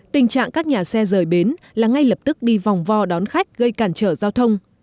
tình trạng các nhà xe rời bến là ngay lập tức đi vòng vo đón khách gây cản trở giao thông